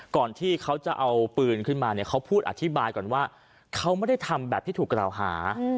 ก่อนที่เขาจะเอาปืนขึ้นมาเนี่ยเขาพูดอธิบายก่อนว่าเขาไม่ได้ทำแบบที่ถูกกล่าวหา